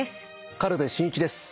軽部真一です。